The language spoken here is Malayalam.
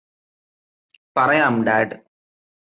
പറയാം ഡാഡ്